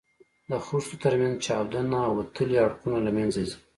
د خښتو تر منځ چاودونه او وتلي اړخونه له منځه ځي.